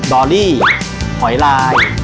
ดอลลี่หอยลาย